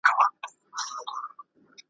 بیا په خپل مدارکي نه سي ګرځېدلای ,